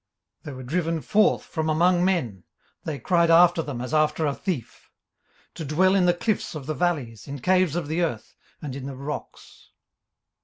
18:030:005 They were driven forth from among men, (they cried after them as after a thief;) 18:030:006 To dwell in the cliffs of the valleys, in caves of the earth, and in the rocks.